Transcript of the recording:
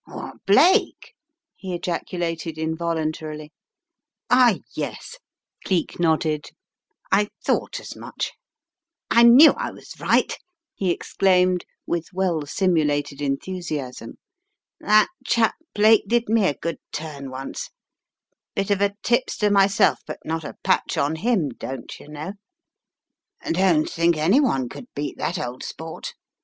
"What — Blake?" he ejaculated involuntarily. "Ah, yes," Cleek nodded. "I thought as much. 182 The Riddle of the Purple Emperor I knew I was right/' lie exclaimed with well simulated enthusiasm. "That chap Blake did me a good turn once, bit of a tipster myself, but not a patch on him, dontcher know/' "Don't think any one could beat that old sport!"